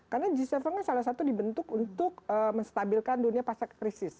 karena g tujuh kan salah satu dibentuk untuk menstabilkan dunia pasca krisis